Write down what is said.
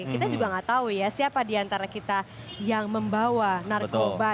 kita juga tidak tahu ya siapa di antara kita yang membawa narkoba